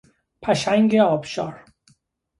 پشنگ آبشار